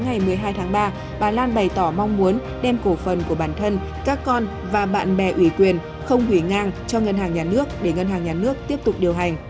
ngày một mươi hai tháng ba bà lan bày tỏ mong muốn đem cổ phần của bản thân các con và bạn bè ủy quyền không hủy ngang cho ngân hàng nhà nước để ngân hàng nhà nước tiếp tục điều hành